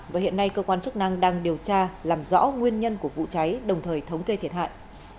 và hiện nay cơ quan chức năng đang điều tra làm rõ nguyên nhân của vụ cháy đồng thời thống kê thiệt hại